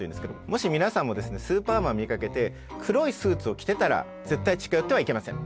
もし皆さんもスーパーマン見かけて黒いスーツを着てたら絶対近寄ってはいけません。